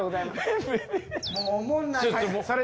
もうおもんないねん。